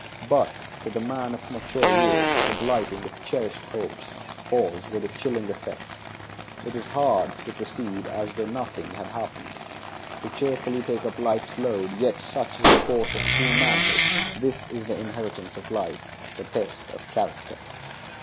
But to the man of mature years the blighting of cherished hopes falls with a chilling effect. 'T is hard to proceed as though nothing had happened—to cheerfully take up life's load, yet such is the course of true manhood; this is the inheritance of life—the test of character.